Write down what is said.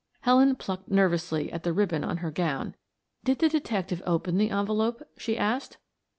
Helen plucked nervously at the ribbon on her gown. "Did the detective open the envelope" she asked.